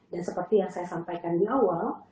seperti yang saya sampaikan di awal